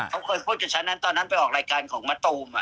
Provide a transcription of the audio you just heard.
เขาเคยพูดกับฉันตอนนั้นไปออกรายการของมาตุมอ่ะ